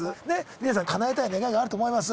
皆さん叶えたい願いがあると思います